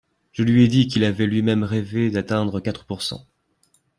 Je lui ai dit qu’il avait lui-même rêvé d’atteindre quatre pourcent.